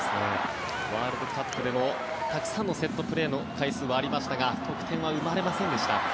ワールドカップでもたくさんのセットプレーの回数はありましたが得点は生まれませんでした。